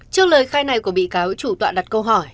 trước lời khai này của bị cáo chủ tọa đặt câu hỏi